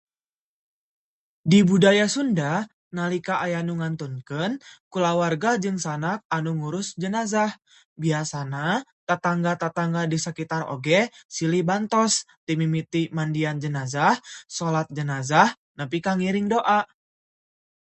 Di budaya sunda, nalika aya nu ngantunkeun, kulawarga jeung sanak anu ngurus jenazah. Biasana, tatangga-tatangga di sakitar oge silih bantos ti mimiti mandian jenazah, solat jenazah, nepi ka ngiring doa.